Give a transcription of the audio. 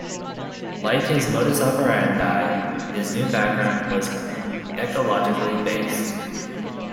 Like his modus operandi, his new background was ecologically-based.